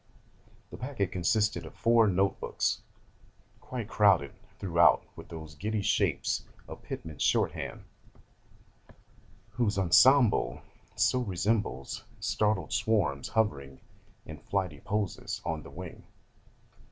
The packet consisted of four note books, quite crowded throughout with those giddy shapes of Pitman's shorthand, whose ensemble so resembles startled swarms hovering in flighty poses on the wing.